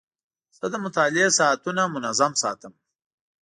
زه د مطالعې ساعتونه منظم ساتم.